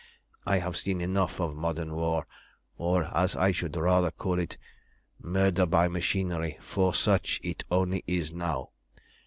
I have seen enough of modern war, or, as I should rather call it, murder by machinery, for such it only is now.